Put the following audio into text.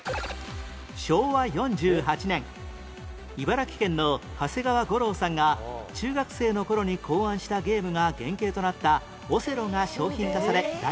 昭和４８年茨城県の長谷川五郎さんが中学生の頃に考案したゲームが原型となったオセロが商品化され大ヒット